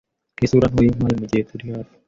Isura ntoya umpaye mugihe turi hafi